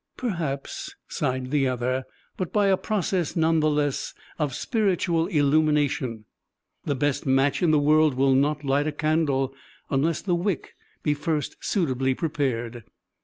"Perhaps," sighed the other; "but by a process, none the less, of spiritual illumination. The best match in the world will not light a candle unless the wick be first suitably prepared."